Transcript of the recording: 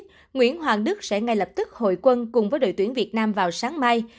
nguyễn hoàng đức sẽ ngay lập tức hội quân cùng với đội tuyển việt nam vào sáng mai